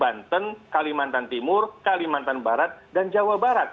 banten kalimantan timur kalimantan barat dan jawa barat